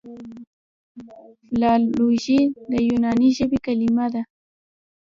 فلالوژي د یوناني ژبي کليمه ده.